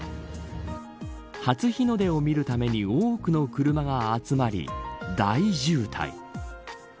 初日の出を見るために多くの車が集まり大渋滞。